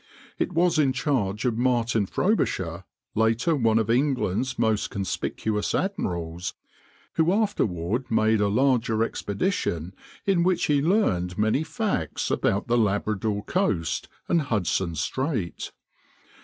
It was in charge of Martin Frobisher, later one of England's most conspicuous admirals, who afterward made a larger expedition in which he learned many facts about the Labrador coast and Hudson Strait.